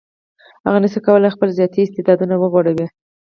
هغه نشي کولای خپل ذاتي استعدادونه وغوړوي.